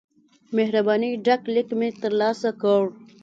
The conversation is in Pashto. مهربانی ډک لیک مې ترلاسه کړ.